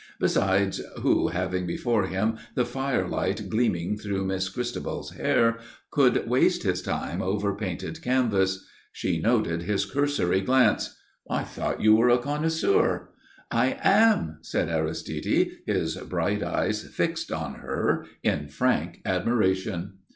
Besides, who having before him the firelight gleaming through Miss Christabel's hair could waste his time over painted canvas? She noted his cursory glance. "I thought you were a connoisseur?" "I am," said Aristide, his bright eyes fixed on her in frank admiration.